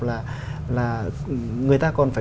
là người ta còn phải